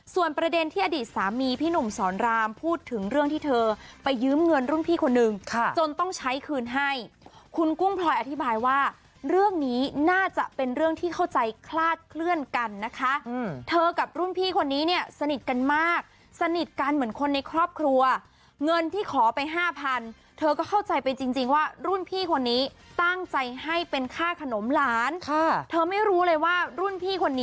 ส่วนประเด็นที่อดีตสามีพี่หนุ่มสอนรามพูดถึงเรื่องที่เธอไปยืมเงินรุ่นพี่คนนึงจนต้องใช้คืนให้คุณกุ้งพลอยอธิบายว่าเรื่องนี้น่าจะเป็นเรื่องที่เข้าใจคลาดเคลื่อนกันนะคะเธอกับรุ่นพี่คนนี้เนี่ยสนิทกันมากสนิทกันเหมือนคนในครอบครัวเงินที่ขอไปห้าพันเธอก็เข้าใจไปจริงว่ารุ่นพี่คนนี้ตั้งใจให้เป็นค่าขนมหลานค่ะเธอไม่รู้เลยว่ารุ่นพี่คนนี้